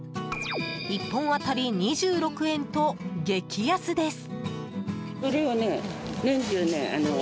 １本当たり２６円と激安です。